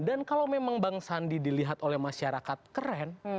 dan kalau memang bang sandi dilihat oleh masyarakat keren